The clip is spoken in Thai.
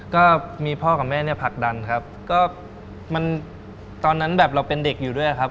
ก็มีพ่อกับแม่เนี่ยผลักดันครับก็มันตอนนั้นแบบเราเป็นเด็กอยู่ด้วยครับ